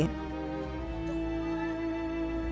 keluarga hana sangat menanti